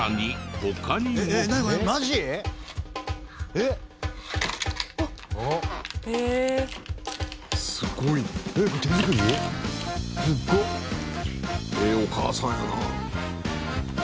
ええお母さんやな。